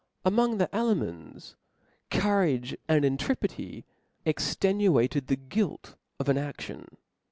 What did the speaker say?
5. Among the Alemans, courage and intrepidity tirttum. extenuated the guilt of an action.